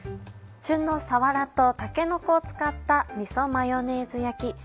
旬のさわらとたけのこを使ったみそマヨネーズ焼き。